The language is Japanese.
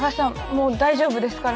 もう大丈夫ですから。